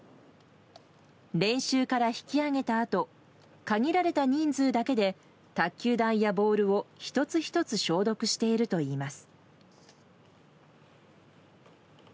練習から引き上げたあと限られた人数だけで卓球台やボールを１つ１つ消毒しているといいます。